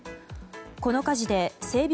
この火事で整備